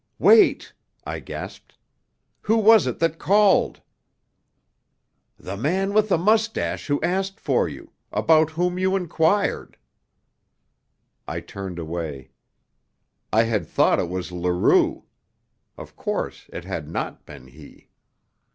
"Wait!" I gasped. "Who was it that called?" "The man with the mustache who asked for you about whom you inquired." I turned away. I had thought it was Leroux. Of course it had not been he.